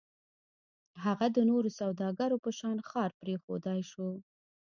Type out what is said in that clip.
هغه د نورو سوداګرو په شان ښار پرېښودای شو.